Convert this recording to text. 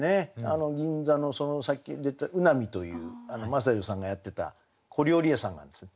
あの銀座のさっき出た卯波という真砂女さんがやってた小料理屋さんがあるんですよ。